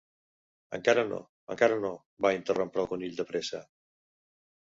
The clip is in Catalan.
"Encara no, encara no!" va interrompre el Conill de pressa.